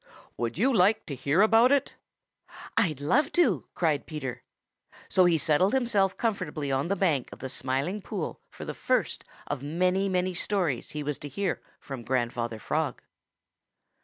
"Would you like to hear about it?" "I'd love to!" cried Peter. So he settled himself comfortably on the bank of the Smiling Pool for the first of many, many stories he was to hear from Grandfather Frog.